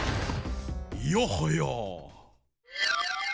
いやはや！